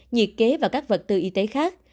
nhiệt kế và các vật tư y tế khác